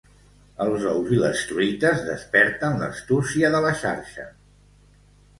Els ous i les truites desperten l'astúcia de la xarxa.